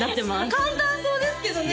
簡単そうですけどね